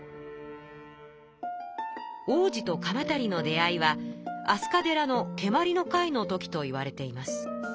皇子と鎌足の出会いは飛鳥寺のけまりの会の時といわれています。